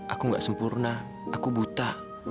aku gak sempurna aku buta